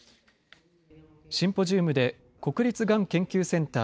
シンポジウムで国立がん研究センター